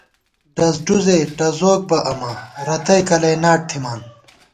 ڈَز ڈُزے ٹزوک بہ امہ ، رتئ کلئ ناٹ تھِمان